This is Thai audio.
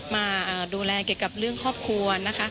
มาดูแลเกี่ยวกับเรื่องครอบครัวนะคะ